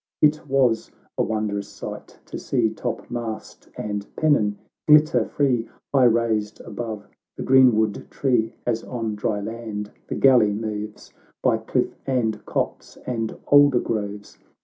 It was a wondrous sight to see Topmast and pennon glitter free, High raised above the greenwood tree, As on dry land the galley moves, By cliff and copse and alder groves.